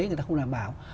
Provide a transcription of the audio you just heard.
người ta không đảm bảo